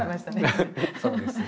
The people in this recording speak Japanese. うんそうですね。